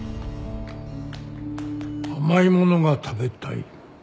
甘い物が食べたい。